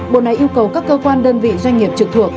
bộ này yêu cầu các cơ quan đơn vị doanh nghiệp trực thuộc